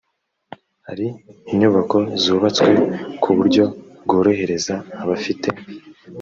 hari inyubako zubatswe ku buryo bworohereza abafite